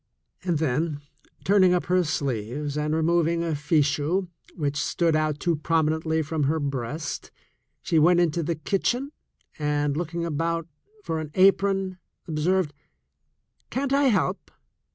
And then, turning up her sleeves and removing a fichu which stood out too prominently from her breast, she went into the kitchen and, looking about for an apron, observed : "Can't I help?